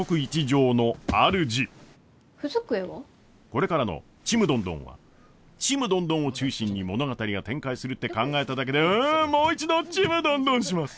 これからの「ちむどんどん」はちむどんどんを中心に物語が展開するって考えただけでうんもう一度ちむどんどんします！